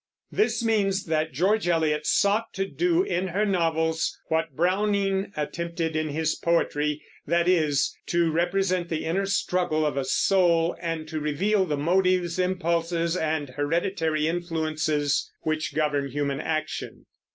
This means that George Eliot sought to do in her novels what Browning attempted in his poetry; that is, to represent the inner struggle of a soul, and to reveal the motives, impulses, and hereditary influences which govern human action.